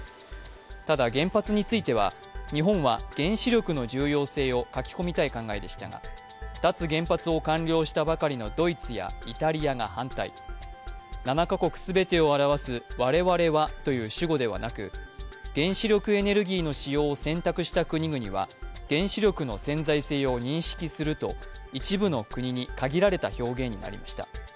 ただ原発については日本は原子力の重要性を書き込みたい考えでしたが脱原発を完了したばかりのドイツやイタリアが反対、７か国全てを表す「我々は」という主語ではなく原子力エネルギーの使用を選択した国々は原子力の潜在性を認識すると一部の国に限られた表現になりました。